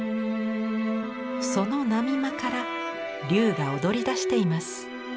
その波間から龍がおどりだしています。